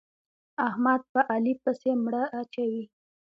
احمد په علي پسې مړه اچوي.